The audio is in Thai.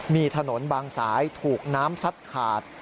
มีถนนบางสายถูกน้ำซัดขาด